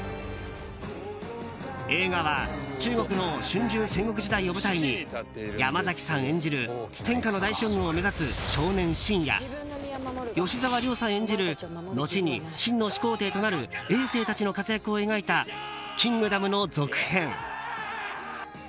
映画は中国の春秋戦国時代を舞台に山崎さん演じる天下の大将軍を目指す少年・信や、吉沢亮さん演じる後に秦の始皇帝となるえい政たちの活躍を描いた「キングダム」の続編。